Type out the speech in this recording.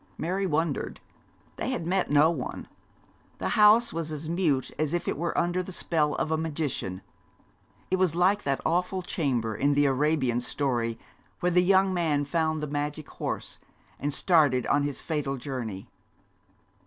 Mary wondered. They had met no one. The house was as mute as if it were under the spell of a magician. It was like that awful chamber in the Arabian story, where the young man found the magic horse, and started on his fatal journey.